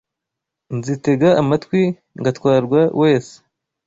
Nzitega amatwi ngatwarwa wese